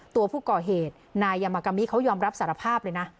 ตัวผู้ก่อเหตุนายยามากามิเขายอมรับสารภาพเลยนะ